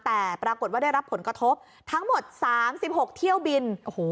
แต่ปรากฏว่าได้รับผลกระทบทั้งหมด๓๖เที่ยวบินโอ้โห